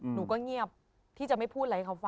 หนูก็เงียบที่จะไม่พูดอะไรให้เขาฟัง